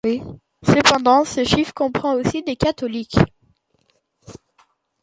Cependant, ce chiffre comprend aussi des catholiques.